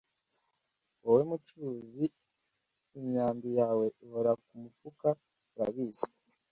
wowe mu curuzi imyambi yawe ihora ku mufuka urabizi